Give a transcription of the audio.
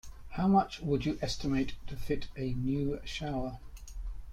How much would you estimate to fit a new shower?